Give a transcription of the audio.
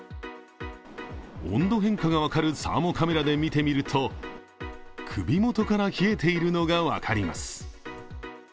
温度変化が分かるサーモカメラで見てみると首元から冷えているのが分かります。